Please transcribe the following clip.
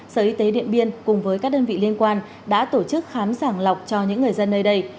sở y tế điện biên cùng với các đơn vị liên quan đã tổ chức khám sàng lọc cho những người dân nơi đây